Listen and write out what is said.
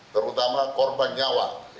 terutama korban nyawa